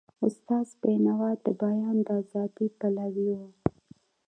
استاد بینوا د بیان د ازادی پلوی و.